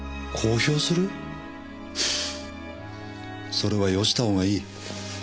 それはよしたほうがいい。